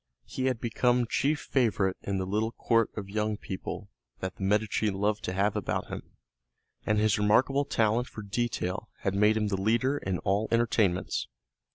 He had become chief favorite in the little court of young people that the Medici loved to have about him, and his remarkable talent for detail had made him the leader in all entertainments.